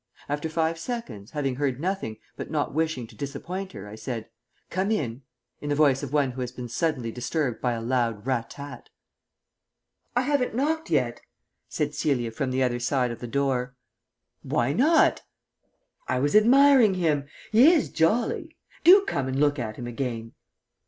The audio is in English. After five seconds, having heard nothing, but not wishing to disappoint her, I said, "Come in," in the voice of one who has been suddenly disturbed by a loud "rat tat." "I haven't knocked yet," said Celia from the other side of the door. "Why not?" "I was admiring him. He is jolly. Do come and look at him again."